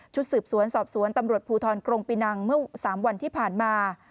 สืบสวนสอบสวนตำรวจภูทรกรงปีนังเมื่อ๓วันที่ผ่านมา